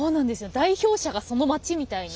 代表者がその町みたいに。